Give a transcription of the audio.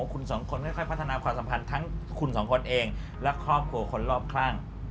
คุณสองคนค่อยพัฒนาความสัมพันธ์ทั้งคุณสองคนเองและครอบครัวคนรอบข้าง